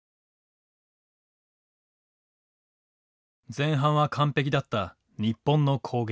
前半は完璧だった日本の攻撃。